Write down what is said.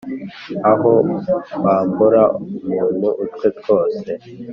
aho bambura umuntu utwe twose